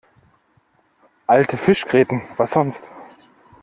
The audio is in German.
Alte Fischgräten, was sonst?